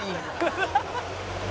「ハハハハ！」